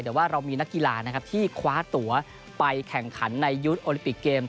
แต่ว่าเรามีนักกีฬานะครับที่คว้าตัวไปแข่งขันในยุคโอลิปิกเกม